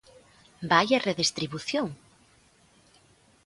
Vaia redistribución!